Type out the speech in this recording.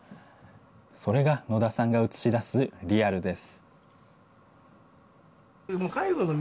それが野田さんが写し出すリアルです。